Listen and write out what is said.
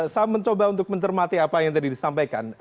saya mencoba untuk mencermati apa yang tadi disampaikan